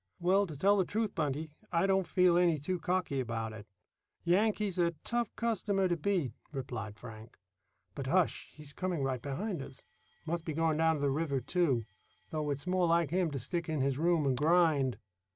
"Well, to tell the truth, Buntie, I don't feel any too cocky about it. Yankee's a tough customer to beat," replied Frank. "But, hush! he's coming right behind us. Must be going down to the river too, though it's more like him to stick in his room and grind."